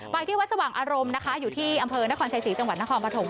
ไปที่วัดสว่างอารมณ์นะคะอยู่ที่อำเภอนครชัยศรีจังหวัดนครปฐม